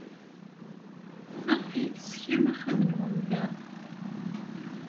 Maɣef ay teṣkam axxam-nwen da?